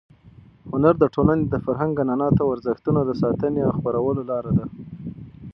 هنر د ټولنې د فرهنګ، عنعناتو او ارزښتونو د ساتنې او خپرولو لار ده.